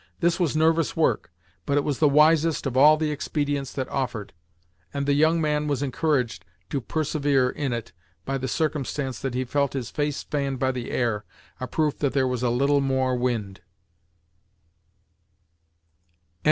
This was nervous work, but it was the wisest of all the expedients that offered, and the young man was encouraged to persevere in it by the circumstance that he felt his face fanned by the air, a proof that there was a little more wind.